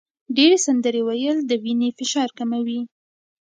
ډېر سندرې ویل د وینې فشار کموي.